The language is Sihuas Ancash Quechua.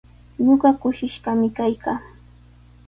Ñuqa kushishqami kaykaa.